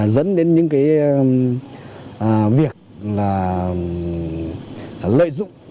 dẫn đến những cái việc là lợi dụng